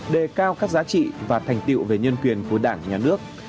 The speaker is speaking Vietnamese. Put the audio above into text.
đề cao các giá trị và thành tiệu về nhân quyền của đảng nhà nước